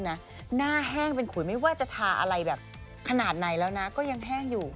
หน้าแห้งเป็นขุยไม่ว่าจะทาอะไรแบบขนาดไหนแล้วนะก็ยังแห้งอยู่